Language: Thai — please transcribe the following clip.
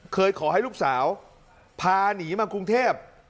ขอให้ลูกสาวพาหนีมากรุงเทพ